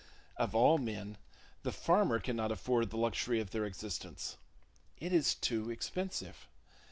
Of all men, the farmer cannot afford the luxury of their existence! It is too expensive.